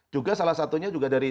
juga salah satunya juga di jepang